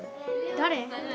誰？